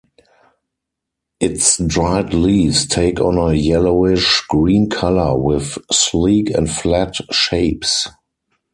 Its dried leaves take on a yellowish green colour with sleek and flat shapes.